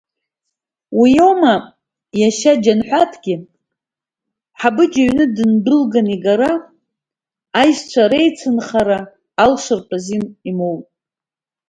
Уимоу, иашьа Џьанҳәаҭгьы Ҳабыџь иҩны ддәылганы игара, аишьцәа реицынхара алшаратәы азин имоут.